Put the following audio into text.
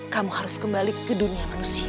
kamu harus kembali ke dunia manusia